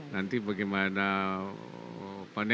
nanti bagaimana paneli